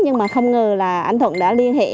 nhưng mà không ngờ là anh thuận đã liên hệ